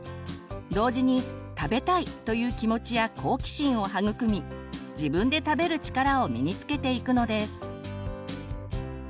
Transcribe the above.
同時に「食べたい」という気持ちや好奇心を育み自分で食べる力を身につけていくのです。